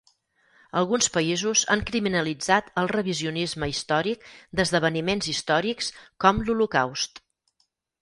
Alguns països han criminalitzat el revisionisme històric d'esdeveniments històrics com l'Holocaust.